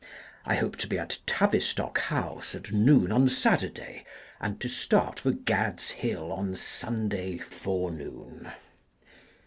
I hope to be at Tavistock House at noon on Saturday, and to start for Gad's Hill on Sunday forenoon.